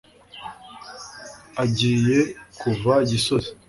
agiye kuva gisozi